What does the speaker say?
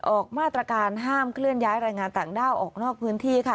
ออกมาตรการห้ามเคลื่อนย้ายแรงงานต่างด้าวออกนอกพื้นที่ค่ะ